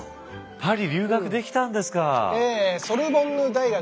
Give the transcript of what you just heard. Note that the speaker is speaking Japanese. パリ留学できたんですか。